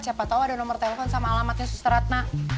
siapa tahu ada nomor telepon sama alamatnya suster ratna